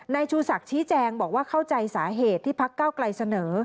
ชูศักดิ์ชี้แจงบอกว่าเข้าใจสาเหตุที่พักเก้าไกลเสนอ